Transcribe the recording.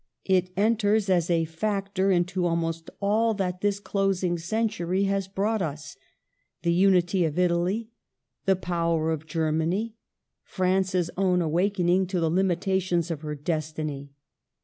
It enters as a factor into almost all that this closing century has brought us — the unity of Italy, the power of Germany, France's own awakening to the limitations of her destiny.